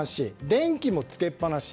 電気もつけっ放し。